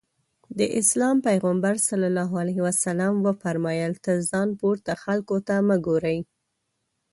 د اسلام پيغمبر ص وفرمايل تر ځان پورته خلکو ته مه ګورئ.